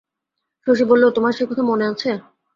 শশী বলে, তোমার সে কথা মনে আছে?